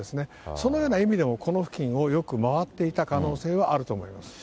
そのような意味でも、この付近をよく回っていた可能性はあると思います。